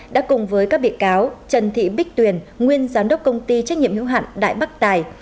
đã cùng với các bị cáo trần thị bích tuyền nguyên giám đốc công ty trách nhiệm hữu hạn đại bắc tài